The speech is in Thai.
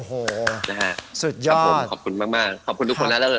โอ้โหสุดยอดครับผมขอบคุณมากขอบคุณทุกคนนะ